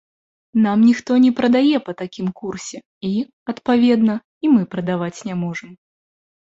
Нам ніхто не прадае па такім курсе і, адпаведна, і мы прадаваць не можам.